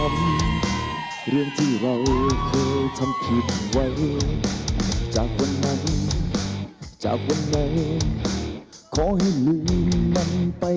โปรดติดตามตอนต่อไป